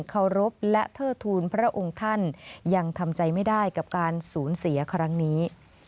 เคารพและเทิดทูลพระองค์ท่านยังทำใจไม่ได้กับการสูญเสียครั้งนี้